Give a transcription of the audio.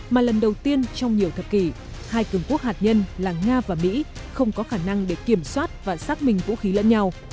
mà lần đầu tiên trong nhiều thập kỷ hai cường quốc hạt nhân là nga và mỹ không có khả năng để kiểm soát và xác minh vũ khí lẫn nhau